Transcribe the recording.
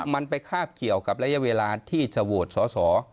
มันไปคาบเกี่ยวกับระยะเวลาที่จะโหวตสอสอ